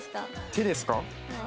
手ですか？